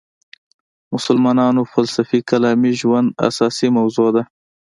مسلمانانو فلسفي کلامي ژوند اساسي موضوع ده.